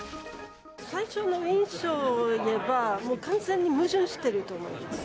最初の印象を言えば、もう完全に矛盾してると思います。